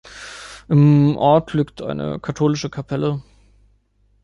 Im Ort liegt eine katholische Kapelle.